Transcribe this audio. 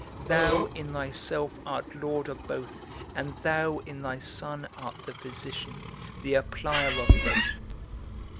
Thou in thyself art Lord of both, and thou in thy Son art the physician, the applier of both.